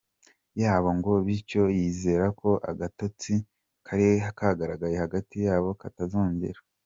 yabo ngo bityo yizera ko agatotsi kari kagaragaye hagati yabo katazongera.